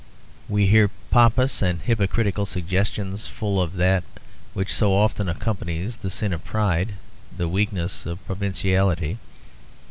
We hear pompous and hypocritical suggestions, full of that which so often accompanies the sin of pride, the weakness of provinciality.